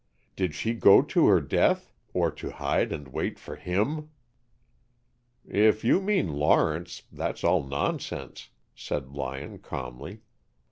Did she go to her death, or to hide and wait for him?" "If you mean Lawrence, that's all nonsense," said Lyon, calmly.